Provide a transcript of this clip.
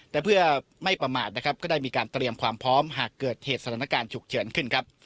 แต่เพื่อไม่ประมาทนะครับก็ได้มีการเตรียมความพร้อมหากเกิดเหตุสถานการณ์ฉุกเฉินขึ้นครับ